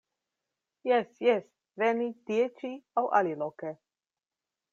Jes, jes, veni tie-ĉi aŭ aliloke.